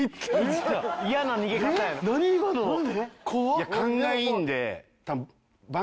いや勘がいいんで多分。